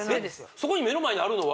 そこに目の前にあるのは？